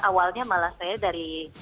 awalnya malah saya dari